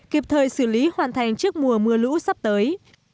kịp thời xử lý hoàn thành trước mùa mưa lũ sắp tới